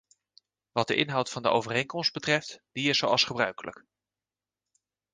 Wat de inhoud van de overeenkomst betreft, die is zoals gebruikelijk.